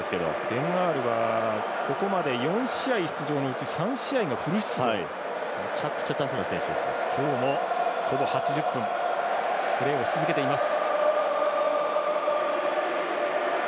ベン・アールはここまで４試合出場のうち３試合がめちゃくちゃ今日もほぼ８０分プレーをし続けています。